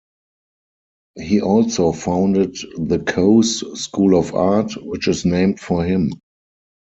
He also founded the Kose School of Art, which is named for him.